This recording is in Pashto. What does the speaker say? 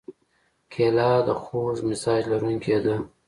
کېله د خوږ مزاج لرونکې ده.